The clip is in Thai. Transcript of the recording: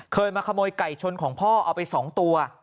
มาขโมยไก่ชนของพ่อเอาไป๒ตัว